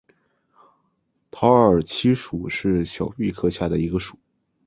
桃儿七属是小檗科下的一个属。